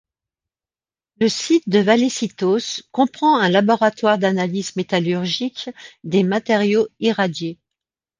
Le site de Vallecitos comprend un laboratoire d'analyse métallurgique des matériaux irradiés.